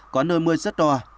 có nơi mưa rất to